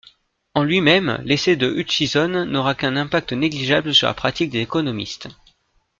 En lui-même, l'essai de Hutchison n'aura qu'un impact négligeable sur la pratique des économistes.